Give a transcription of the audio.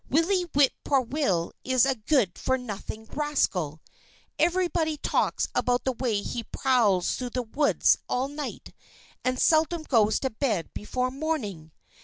"Willie Whip poor will is a good for nothing rascal. Everybody talks about the way he prowls through the woods all night and seldom goes to bed before morning.